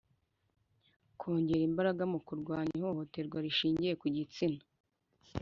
Kongera imbaraga mu kurwanya ihohoterwa rishingiye ku gitsina